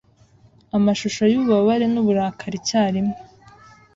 Amashusho yububabare nuburakari icyarimwe